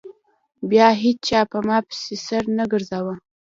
بيا هېچا په ما پسې سر نه گرځاوه.